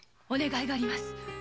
お願いがあります。